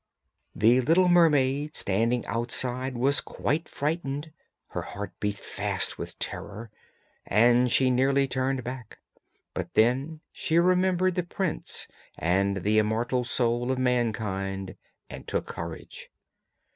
The little mermaid standing outside was quite frightened, her heart beat fast with terror and she nearly turned back, but then she remembered the prince and the immortal soul of mankind and took courage.